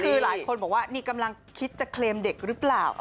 คือหลายคนบอกว่านี่กำลังคิดจะเคลมเด็กหรือเปล่า